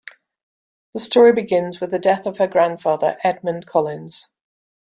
The story begins with the death of her grandfather, Edmund Collins.